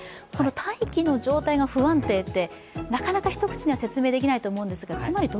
大気の状態が不安定って、なかなか一口には説明できないと思うんですが？